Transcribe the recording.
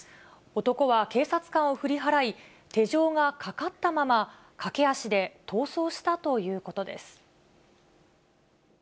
男は警察官を振り払い、手錠がかかったまま、駆け足で逃走したということです。